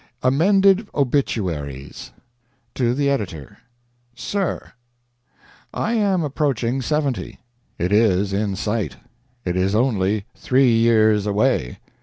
AMENDED OBITUARIES TO THE EDITOR: Sir, I am approaching seventy; it is in sight; it is only three years away.